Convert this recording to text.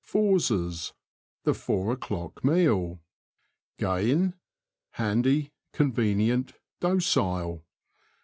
FouRSES. — The four o'clock meal. Gain. — Handy, convenient, docile.